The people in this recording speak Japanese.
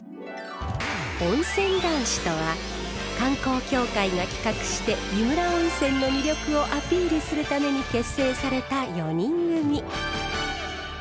温泉男子とは観光協会が企画して湯村温泉の魅力をアピールするために結成された４人組。